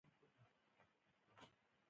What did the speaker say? کیمیاوي انرژي په برېښنا بدلېږي.